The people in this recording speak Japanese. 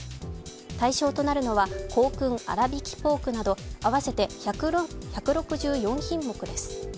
対象となるのは香燻あらびきポークなど合わせて１６４品目です。